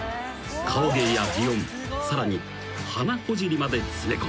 ［顔芸や擬音さらに鼻ほじりまで詰め込んだ］